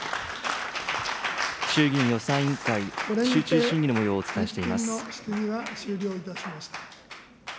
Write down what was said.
衆議院予算委員会、集中審議のもようをお伝えしています。